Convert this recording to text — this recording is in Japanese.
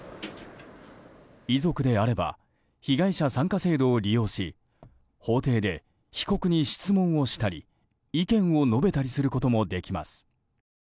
遺族であれば被害者参加制度を利用し法廷で被告に質問をしたり意見を述べたりすることもできます。